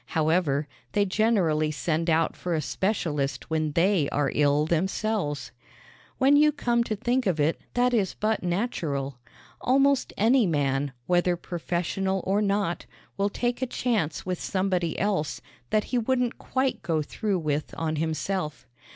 However, they generally send out for a specialist when they are ill themselves. When you come to think of it that is but natural. Almost any man, whether professional or not, will take a chance with somebody else that he wouldn't quite go through with on himself.